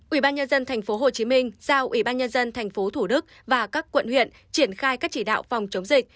ủy ban nhân dân tp hcm giao ủy ban nhân dân tp thủ đức và các quận huyện triển khai các chỉ đạo phòng chống dịch